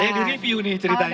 saya di review nih ceritanya nih